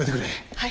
はい。